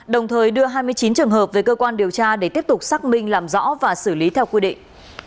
đồng thời đưa hai mươi chín trường hợp về cơ quan điều tra để tiếp tục xác minh làm rõ và xử lý theo quy định